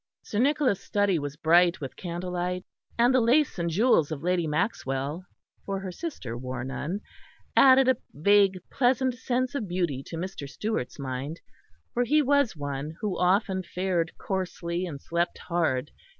Sir Nicholas' study was bright with candlelight, and the lace and jewels of Lady Maxwell (for her sister wore none) added a vague pleasant sense of beauty to Mr. Stewart's mind; for he was one who often fared coarsely and slept hard.